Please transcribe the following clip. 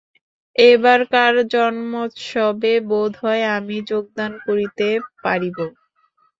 এবারকার জন্মোৎসবে বোধ হয় আমি যোগদান করিতে পারিব।